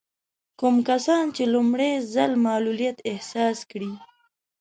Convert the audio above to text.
کوم کسان چې لومړی ځل معلوليت احساس کړي.